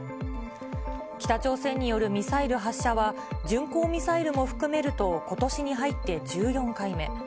北朝鮮によるミサイル発射は、巡航ミサイルも含めるとことしに入って１４回目。